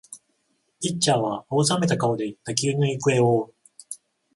ピッチャーは青ざめた顔で打球の行方を追う